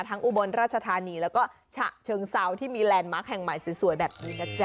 อุบลราชธานีแล้วก็ฉะเชิงเซาที่มีแลนด์มาร์คแห่งใหม่สวยแบบนี้นะจ๊